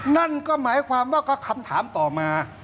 นั่นก็หมายความว่าก็คำถามต่อมา